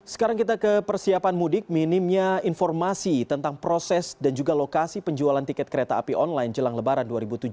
sekarang kita ke persiapan mudik minimnya informasi tentang proses dan juga lokasi penjualan tiket kereta api online jelang lebaran dua ribu tujuh belas